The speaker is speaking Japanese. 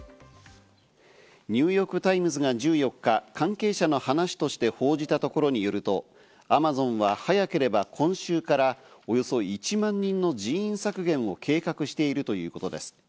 ニューヨーク・タイムズが１４日、関係者の話として報じたところによると、アマゾンは早ければ今週からおよそ１万人の人員削減を計画しているということです。